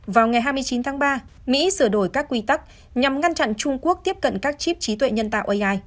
vào ngày hai mươi chín tháng ba mỹ sửa đổi các quy tắc nhằm ngăn chặn trung quốc tiếp cận các chip trí tuệ nhân tạo ai